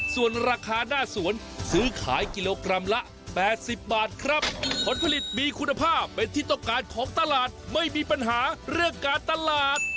ส่วนราคาหน้าสวนซื้อขายกิโลกรัมละ๘๐บาทครับผลผลิตมีคุณภาพเป็นที่ต้องการของตลาดไม่มีปัญหาเรื่องการตลาด